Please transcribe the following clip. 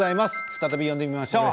再び呼んでみましょう。